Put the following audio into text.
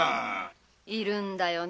いるんだよね